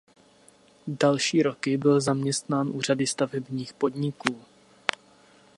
Další roky byl zaměstnán u řady stavebních podniků.